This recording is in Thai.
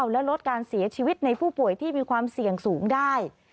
และลดการเสียชีวิตในผู้ป่วยที่มีความเสี่ยงสูงได้